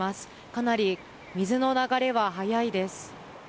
かなり水の流れは速いです。